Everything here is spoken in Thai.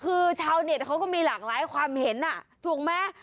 คือชาวเน็ตเขาก็มีหลากหลายความเห็นถูกไหม